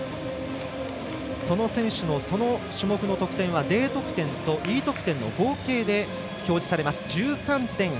その選手のその種目の得点はＤ得点とＥ得点の合計で表示されます。１３．８６６。